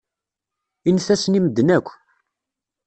Init-asen i medden akk.